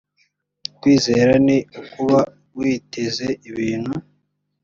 kwizera ni ukuba witeze ibintu